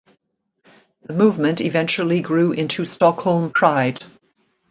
The movement eventually grew into Stockholm Pride.